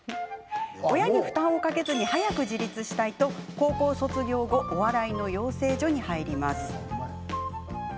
親に負担をかけずに早く自立したいと高校卒業後お笑いの養成所に入ります。